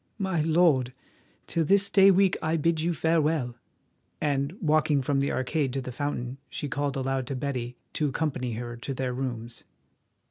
My lord, till this day week I bid you farewell," and, walking from the arcade to the fountain, she called aloud to Betty to accompany her to their rooms.